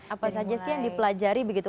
apa saja sih yang dipelajari begitu